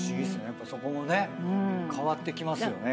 やっぱそこもね変わってきますよね。